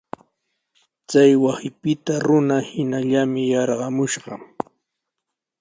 Chay wasipita runa hinallanmi yarqamushqa.